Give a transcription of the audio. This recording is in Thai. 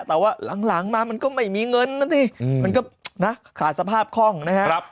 แต่ว่าหลังมามันก็ไม่มีเงินนะสิมันก็นะขาดสภาพคล่องนะครับ